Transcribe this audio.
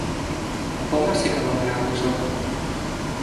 Quan va ser que vam anar a Busot?